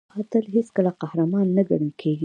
قاتل هیڅکله قهرمان نه ګڼل کېږي